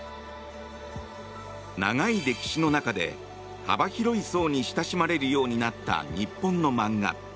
長い歴史の中で、幅広い層に親しまれるようになった日本の漫画。